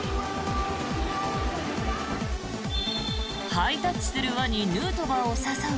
ハイタッチする輪にヌートバーを誘う